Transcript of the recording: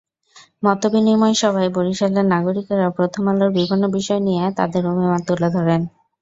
মতবিনিময় সভায় বরিশালের নাগরিকেরা প্রথম আলোর বিভিন্ন বিষয় নিয়ে তাঁদের অভিমত তুলে ধরেন।